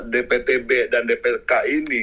dptb dan dpk ini